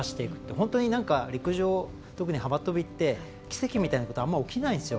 本当に陸上、特に幅跳びって奇跡みたいなことあんまり起きないんですよ。